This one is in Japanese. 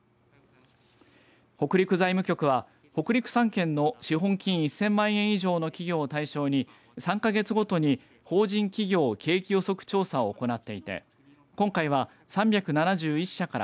北陸財務局は北陸３県の資本金１０００万円以上の企業を対象に３か月ごとに法人企業景気予測調査を行っていて今回は３７１社から